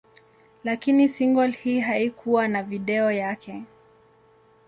Lakini single hii haikuwa na video yake.